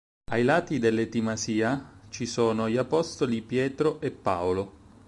Ai lati dell'etimasia ci sono gli apostoli Pietro e Paolo.